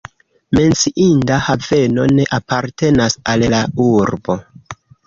Menciinda haveno ne apartenas al la urbo.